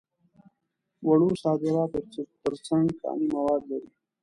وړو صادراتو تر څنګ کاني مواد لري.